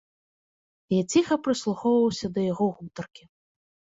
Я ціха прыслухоўваўся да яго гутаркі.